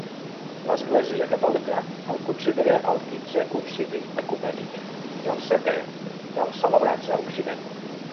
L'Església catòlica el considera el quinzè concili ecumènic, i el setè dels celebrats a Occident.